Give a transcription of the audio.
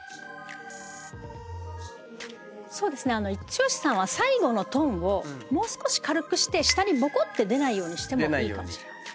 剛さんは最後のトンをもう少し軽くして下にぼこって出ないようにしてもいいかもしれません。